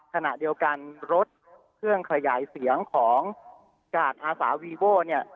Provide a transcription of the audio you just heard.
ขณะเดียวกันรถเครื่องขยายเสียงของกาดอาสาวีโว้เนี่ย